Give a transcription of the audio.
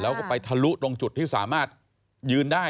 แล้วก็ไปทะลุตรงจุดที่สามารถยืนได้